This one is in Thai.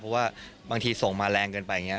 เพราะบางทีส่งมาแรงเกินไป